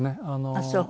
ああそう。